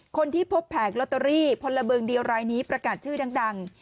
คนที่พบแผงลอตเตอรี่พลเมิงเดียวรายนี้ประกาศชื่อดัง